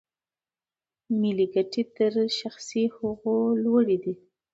ملي ګټې تر شخصي هغو لوړې دي.